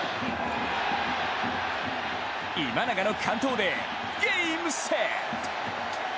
今永の完投で、ゲームセット。